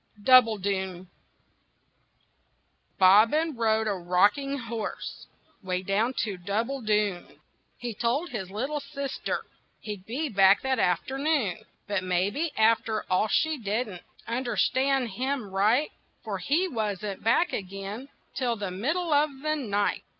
DOUBBLEDOON Bobbin rode a rocking horse 'Way down to Doubbledoon, He told his little sister He'd be back that afternoon. But maybe after all she didn't Understand him right, For he wasn't back again Till the middle of the night.